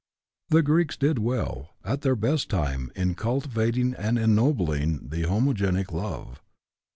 The Greeks did well, at their best time, in cultivating and ennobling the homogenic love.